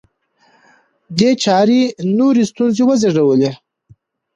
دې چارې نورې ستونزې وزېږولې